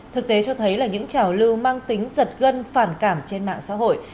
thực tế cho thấy là những trào lưu mang tính giật gân phản cảm trên mạng xã hội